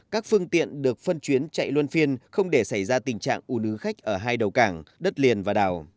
các phương tiện được phân chuyến chạy luân phiên không để xảy ra tình trạng ủ nứ khách ở hai đầu cảng đất liền và đảo